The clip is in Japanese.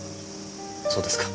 そうですか。